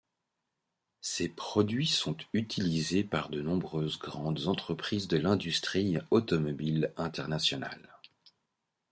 Ces produits sont utilisés par de nombreuses grandes entreprises de l'industrie automobile internationale.